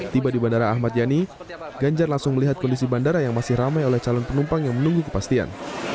tiba di bandara ahmad yani ganjar langsung melihat kondisi bandara yang masih ramai oleh calon penumpang yang menunggu kepastian